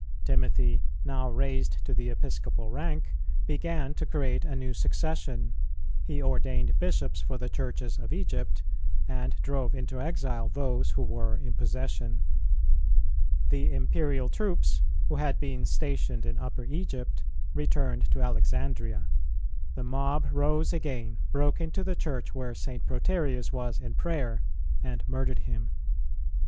[318:2] Timothy, now raised to the Episcopal rank, began to create a new succession; he ordained Bishops for the Churches of Egypt, and drove into exile those who were in possession. The Imperial troops, who had been stationed in Upper Egypt, returned to Alexandria; the mob rose again, broke into the Church, where St. Proterius was in prayer, and murdered him.